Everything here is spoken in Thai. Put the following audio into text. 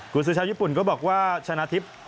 คุณซื้อชาวญี่ปุ่นก็บอกว่าชนะทิพย์